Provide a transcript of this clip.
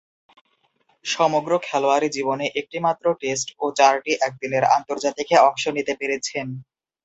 সমগ্র খেলোয়াড়ী জীবনে একটিমাত্র টেস্ট ও চারটি একদিনের আন্তর্জাতিকে অংশ নিতে পেরেছেন।